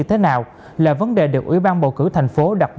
theo nguyên tắc năm k